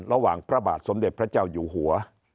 พระบาทสมเด็จพระเจ้าอยู่หัว